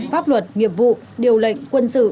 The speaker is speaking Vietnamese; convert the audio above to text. pháp luật nghiệp vụ điều lệnh quân sự